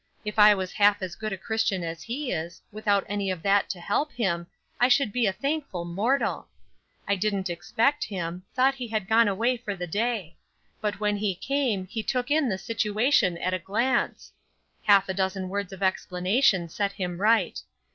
If I was half as good a Christian as he is, without any of that to help him, I should be a thankful mortal. I didn't expect him, thought he had gone away for the day; but when he came he took in the situation at a glance. Half a dozen words of explanation set him right.